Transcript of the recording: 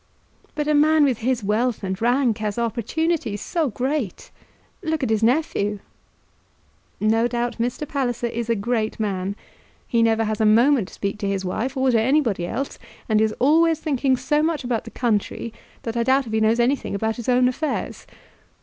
"But a man with his wealth and rank has opportunities so great! Look at his nephew!" "No doubt Mr. Palliser is a great man. He never has a moment to speak to his wife or to anybody else; and is always thinking so much about the country that I doubt if he knows anything about his own affairs.